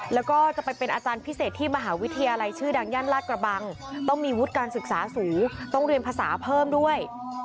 แล้วก็จะไปเป็นอาจารย์พิเศษที่มหาวิทยาลัยชื่อดังย่านลาดกระบังต้องมีวุฒิการศึกษาสูงต้องเรียนภาษาเพิ่มด้วย